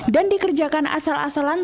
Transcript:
dan dikerjakan asal asalan